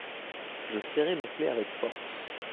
Je serrai ma clef avec force.